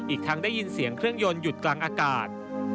อีกทั้งได้ยินเสียงเครื่องยนต์หยุดกลางอากาศ